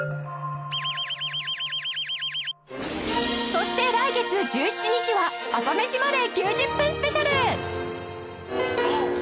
そして来月１７日は『朝メシまで。』９０分スペシャル